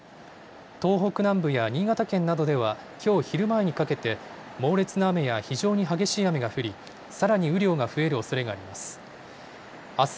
東北南部や新潟県などでは、きょう昼前にかけて、猛烈な雨や、非常に激しい雨が降り、さらに雨量が増えるおそれがあります。